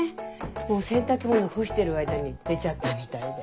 洗濯物干してる間に出ちゃったみたいで。